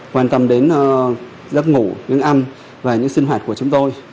quan tâm đến giấc ngủ miếng ăn và những sinh hoạt của chúng tôi